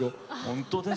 本当ですよ。